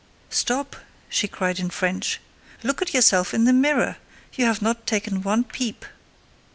"Stop!" she cried in French. "Look at yourself in the mirror: you have not taken one peep."